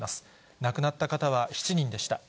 亡くなった方は７人でした。